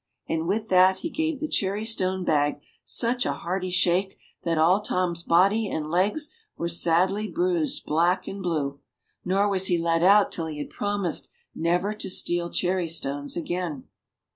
And with that he gave the cherry stone bag such a hearty shake that all Tom's body and legs were sadly bruised black and blue ; nor was he let out till he had promised never to steal cherry stones again.